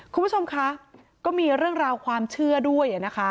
คุณผู้ชมคะก็มีเรื่องราวความเชื่อด้วยนะคะ